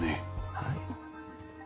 はい。